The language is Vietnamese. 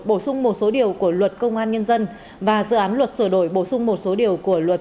bổ sung một số điều của luật công an nhân dân và dự án luật sửa đổi bổ sung một số điều của luật